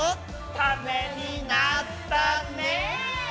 ◆タメになったね！